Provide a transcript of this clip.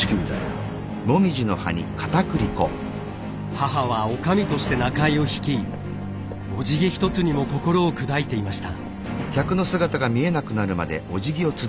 母はおかみとして仲居を率いおじぎ一つにも心を砕いていました。